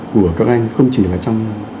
của các anh không chỉ là trong